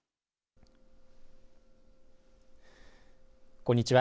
こんにちは。